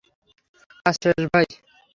কাজ শেষ, ভাই?